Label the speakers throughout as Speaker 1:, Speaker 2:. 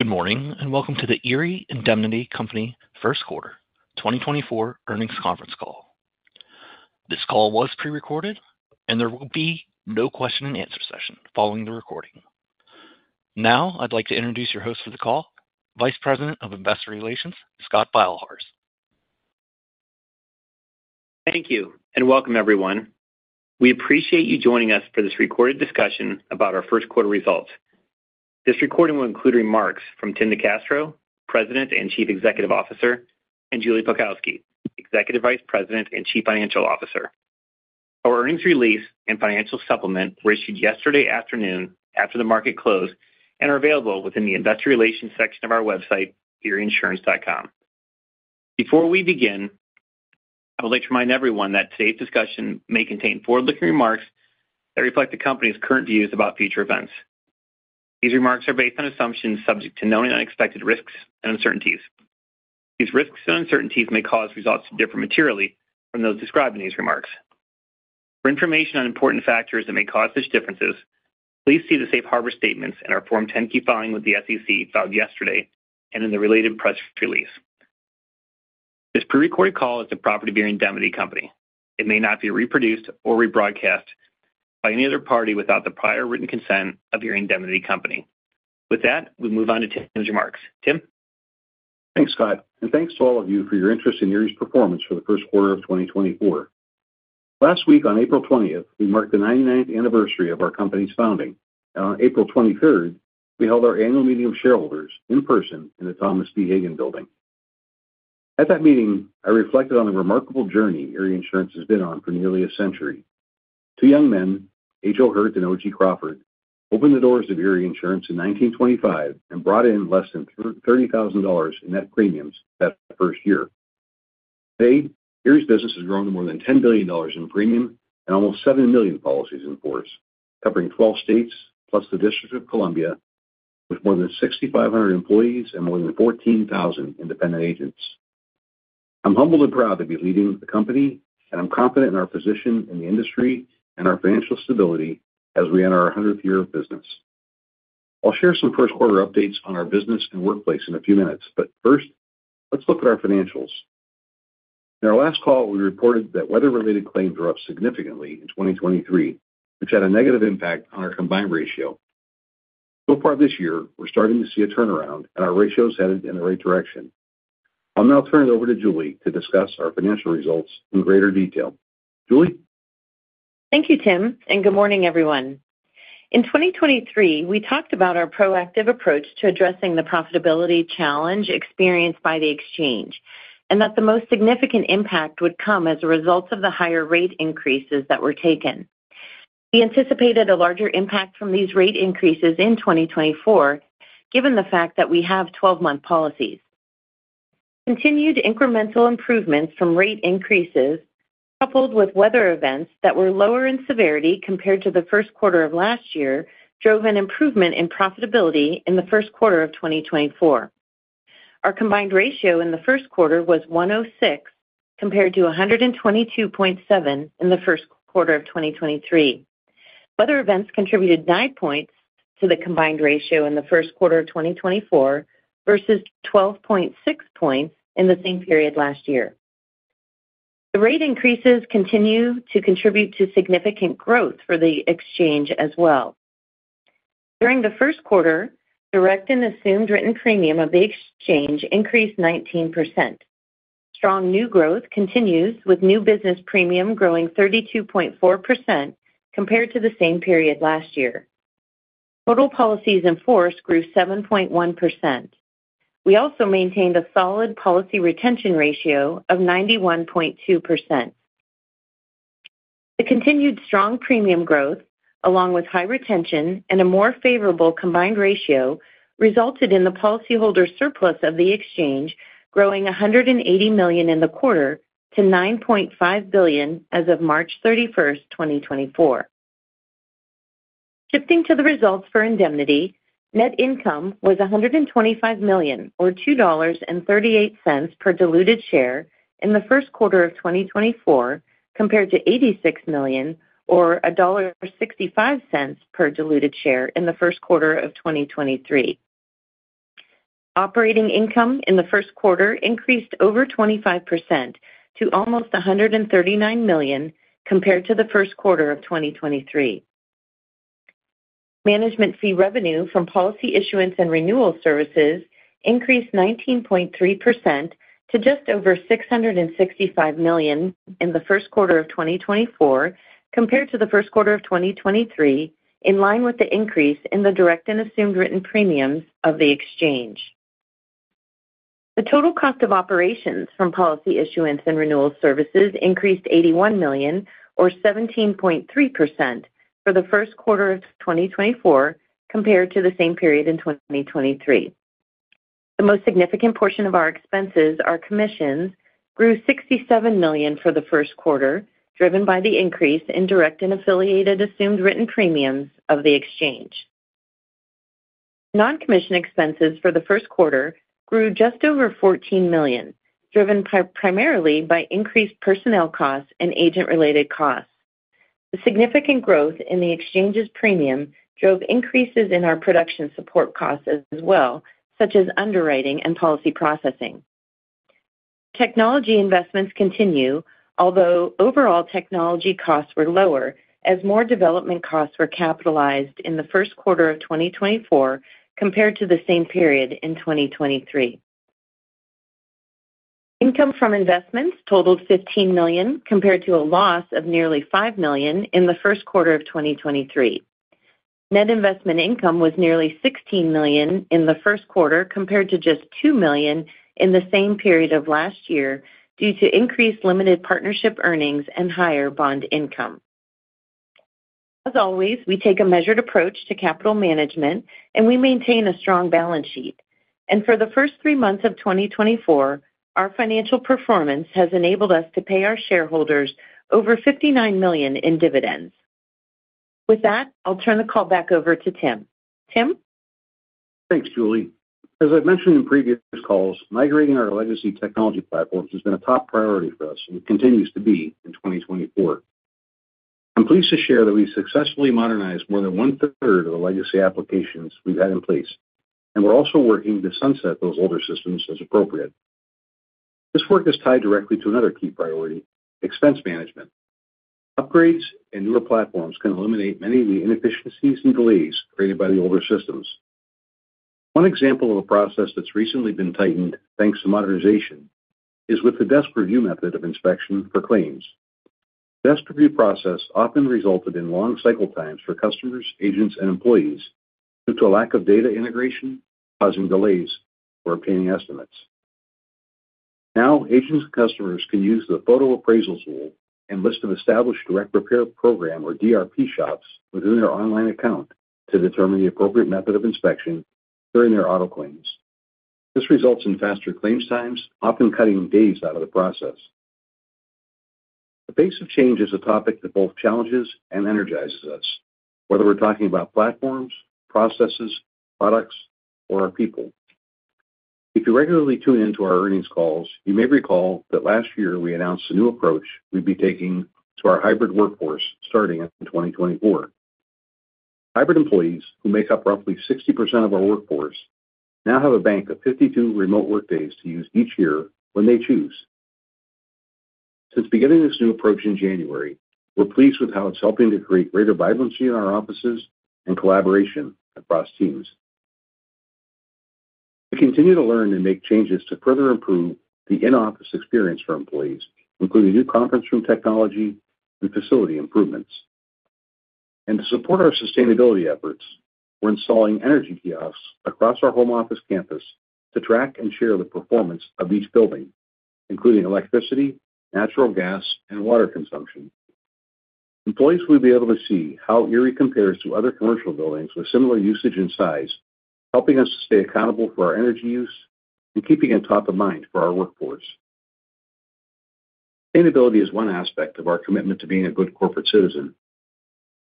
Speaker 1: Good morning, and welcome to the Erie Indemnity Company First Quarter 2024 Earnings Conference Call. This call was pre-recorded, and there will be no question-and-answer session following the recording. Now, I'd like to introduce your host for the call, Vice President of Investor Relations, Scott Beilharz.
Speaker 2: Thank you, and welcome, everyone. We appreciate you joining us for this recorded discussion about our first quarter results. This recording will include remarks from Tim NeCastro, President and Chief Executive Officer, and Julie Pelkowski, Executive Vice President and Chief Financial Officer. Our earnings release and financial supplement were issued yesterday afternoon after the market closed and are available within the Investor Relations section of our website, erieinsurance.com. Before we begin, I would like to remind everyone that today's discussion may contain forward-looking remarks that reflect the company's current views about future events. These remarks are based on assumptions subject to known and unexpected risks and uncertainties. These risks and uncertainties may cause results to differ materially from those described in these remarks. For information on important factors that may cause such differences, please see the safe harbor statements in our Form 10-K filing with the SEC, filed yesterday, and in the related press release. This prerecorded call is the property of Erie Indemnity Company. It may not be reproduced or rebroadcast by any other party without the prior written consent of Erie Indemnity Company. With that, we move on to Tim's remarks. Tim?
Speaker 3: Thanks, Scott, and thanks to all of you for your interest in Erie's Performance for the First Quarter of 2024. Last week, on April 20, we marked the 99th anniversary of our company's founding. On April 23, we held our annual meeting of shareholders in person in the Thomas B. Hagen Building. At that meeting, I reflected on the remarkable journey Erie Insurance has been on for nearly a century. Two young men, H.O. Hirt and O.G. Crawford, opened the doors of Erie Insurance in 1925 and brought in less than $30,000 in net premiums that first year. Today, Erie's business has grown to more than $10 billion in premium and almost 7 million policies in force, covering 12 states, plus the District of Columbia, with more than 6,500 employees and more than 14,000 independent agents. I'm humbled and proud to be leading the company, and I'm confident in our position in the industry and our financial stability as we enter our hundredth year of business. I'll share some first quarter updates on our business and workplace in a few minutes, but first, let's look at our financials. In our last call, we reported that weather-related claims were up significantly in 2023, which had a negative impact on our combined ratio. So far this year, we're starting to see a turnaround, and our ratio is headed in the right direction. I'll now turn it over to Julie to discuss our financial results in greater detail. Julie?
Speaker 4: Thank you, Tim, and good morning, everyone. In 2023, we talked about our proactive approach to addressing the profitability challenge experienced by the Exchange, and that the most significant impact would come as a result of the higher rate increases that were taken. We anticipated a larger impact from these rate increases in 2024, given the fact that we have 12-month policies. Continued incremental improvements from rate increases, coupled with weather events that were lower in severity compared to the first quarter of last year, drove an improvement in profitability in the first quarter of 2024. Our combined ratio in the first quarter was 106, compared to 122.7 in the first quarter of 2023. Weather events contributed 9 points to the combined ratio in the first quarter of 2024 versus 12.6 points in the same period last year. The rate increases continue to contribute to significant growth for the Exchange as well. During the first quarter, direct and assumed written premium of the Exchange increased 19%. Strong new growth continues, with new business premium growing 32.4% compared to the same period last year. Total policies in force grew 7.1%. We also maintained a solid policy retention ratio of 91.2%. The continued strong premium growth, along with high retention and a more favorable combined ratio, resulted in the policyholder surplus of the Exchange growing $180 million in the quarter to $9.5 billion as of March 31, 2024. Shifting to the results for indemnity, net income was $125 million, or $2.38 per diluted share in the first quarter of 2024, compared to $86 million or $1.65 per diluted share in the first quarter of 2023. Operating income in the first quarter increased over 25% to almost $139 million compared to the first quarter of 2023. Management fee revenue from policy issuance and renewal services increased 19.3% to just over $665 million in the first quarter of 2024 compared to the first quarter of 2023, in line with the increase in the direct and assumed written premiums of the Exchange. The total cost of operations from policy issuance and renewal services increased $81 million or 17.3% for the first quarter of 2024 compared to the same period in 2023. The most significant portion of our expenses, our commissions, grew $67 million for the first quarter, driven by the increase in direct and assumed written premiums of the Exchange. Non-commission expenses for the first quarter grew just over $14 million, driven primarily by increased personnel costs and agent-related costs. The significant growth in the Exchange's premium drove increases in our production support costs as well, such as underwriting and policy processing. Technology investments continue, although overall technology costs were lower as more development costs were capitalized in the first quarter of 2024 compared to the same period in 2023. Income from investments totaled $15 million, compared to a loss of nearly $5 million in the first quarter of 2023. Net investment income was nearly $16 million in the first quarter, compared to just $2 million in the same period of last year, due to increased limited partnership earnings and higher bond income. As always, we take a measured approach to capital management, and we maintain a strong balance sheet. For the first three months of 2024, our financial performance has enabled us to pay our shareholders over $59 million in dividends. With that, I'll turn the call back over to Tim. Tim?
Speaker 3: Thanks, Julie. As I've mentioned in previous calls, migrating our legacy technology platforms has been a top priority for us and continues to be in 2024. I'm pleased to share that we successfully modernized more than one-third of the legacy applications we've had in place, and we're also working to sunset those older systems as appropriate. This work is tied directly to another key priority, expense management. Upgrades and newer platforms can eliminate many of the inefficiencies and delays created by the older systems. One example of a process that's recently been tightened, thanks to modernization, is with the desk review method of inspection for claims. Desk review process often resulted in long cycle times for customers, agents, and employees due to a lack of data integration, causing delays for obtaining estimates. Now, agents and customers can use the Photo Appraisal Tool and list of established Direct Repair Program, or DRP, shops within their online account to determine the appropriate method of inspection during their auto claims. This results in faster claims times, often cutting days out of the process. The pace of change is a topic that both challenges and energizes us, whether we're talking about platforms, processes, products, or our people. If you regularly tune in to our earnings calls, you may recall that last year we announced a new approach we'd be taking to our hybrid workforce starting in 2024. Hybrid employees, who make up roughly 60% of our workforce, now have a bank of 52 remote work days to use each year when they choose. Since beginning this new approach in January, we're pleased with how it's helping to create greater vibrancy in our offices and collaboration across teams. We continue to learn and make changes to further improve the in-office experience for employees, including new conference room technology and facility improvements. To support our sustainability efforts, we're installing energy kiosks across our home office campus to track and share the performance of each building, including electricity, natural gas, and water consumption. Employees will be able to see how Erie compares to other commercial buildings with similar usage and size, helping us to stay accountable for our energy use and keeping it top of mind for our workforce. Sustainability is one aspect of our commitment to being a good corporate citizen.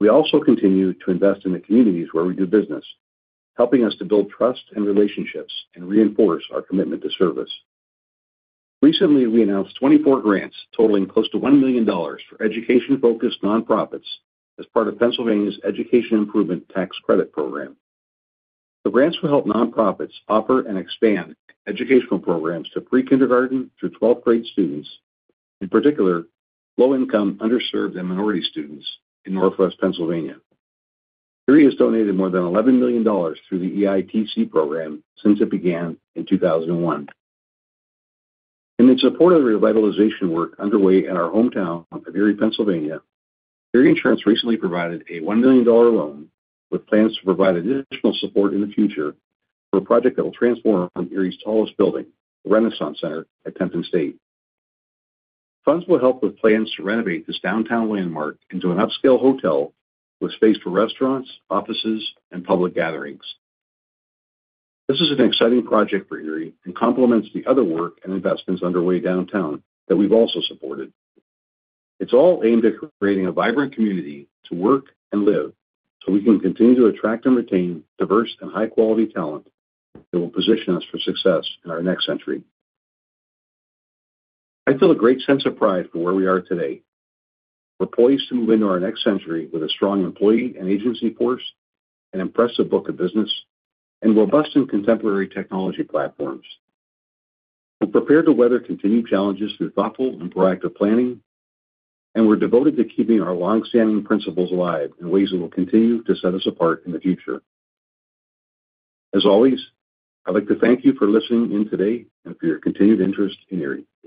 Speaker 3: We also continue to invest in the communities where we do business, helping us to build trust and relationships and reinforce our commitment to service. Recently, we announced 24 grants totaling close to $1 million for education-focused nonprofits as part of Pennsylvania's Education Improvement Tax Credit Program. The grants will help nonprofits offer and expand educational programs to pre-kindergarten through twelfth-grade students, in particular, low-income, underserved, and minority students in Northwest Pennsylvania. Erie has donated more than $11 million through the EITC program since it began in 2001. In support of the revitalization work underway in our hometown of Erie, Pennsylvania, Erie Insurance recently provided a $1 million loan, with plans to provide additional support in the future, for a project that will transform Erie's tallest building, the Renaissance Centre, at 10th and State. Funds will help with plans to renovate this downtown landmark into an upscale hotel with space for restaurants, offices, and public gatherings. This is an exciting project for Erie and complements the other work and investments underway downtown that we've also supported. It's all aimed at creating a vibrant community to work and live, so we can continue to attract and retain diverse and high-quality talent that will position us for success in our next century. I feel a great sense of pride for where we are today. We're poised to move into our next century with a strong employee and agency force, an impressive book of business, and robust and contemporary technology platforms. We're prepared to weather continued challenges through thoughtful and proactive planning, and we're devoted to keeping our long-standing principles alive in ways that will continue to set us apart in the future. As always, I'd like to thank you for listening in today and for your continued interest in Erie.